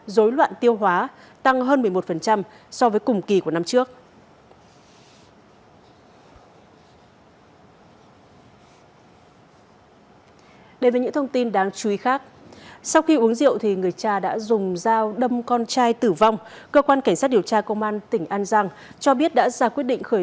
dối loạn tiêu hóa tăng hơn một mươi một so với cùng kỳ của năm trước